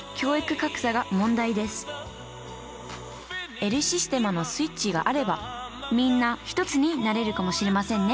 エル・システマのスイッチがあればみんな一つになれるかもしれませんね